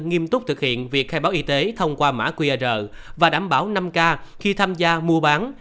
nghiêm túc thực hiện việc khai báo y tế thông qua mã qr và đảm bảo năm k khi tham gia mua bán